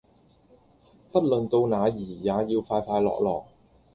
不論到那兒也要快快樂樂